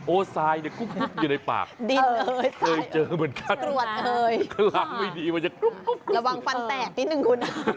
โอ้ไส้นะกรุปเฉยในปาก